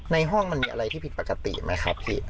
ห้องมันมีอะไรที่ผิดปกติไหมครับพี่